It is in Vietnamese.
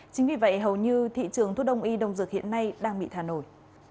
chính vì vậy hầu như thị trường thuốc đông y đông dược hiện nay đang bị thả nổi